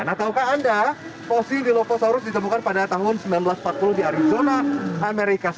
nah tahukah anda fosil dilophosaurus ditemukan pada tahun seribu sembilan ratus empat puluh di arizona amerika